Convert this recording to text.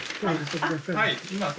はい。